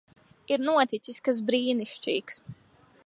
Ir noticis kas brīnišķīgs.